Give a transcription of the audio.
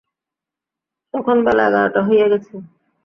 তখন বেলা এগারোটা হইয়া গেছে ।